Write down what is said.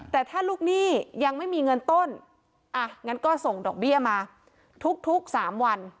แต่ถ้าลูกหนี้ยังไม่มีเงินต้นอ่ะงั้นก็ส่งดอกเบี้ยมาทุก๓วัน